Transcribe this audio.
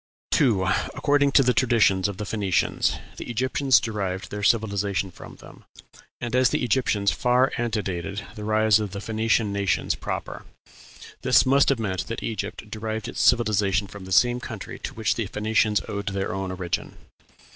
2. According to the traditions of the Phoenicians, the Egyptians derived their civilization from them; and as the Egyptians far antedated the rise of the Phoenician nations proper, this must have meant that Egypt derived its civilization from the same country to which the Phoenicians owed their own origin.